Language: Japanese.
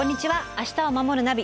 「明日をまもるナビ」